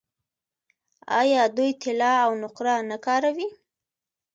آیا دوی طلا او نقره نه کاروي؟